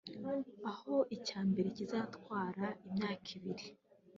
aho icya mbere kizatwara imyaka ibiri